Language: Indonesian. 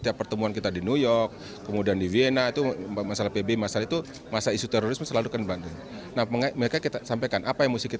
bapak komjen paul soehardi alius